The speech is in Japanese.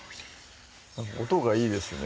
音がいいですね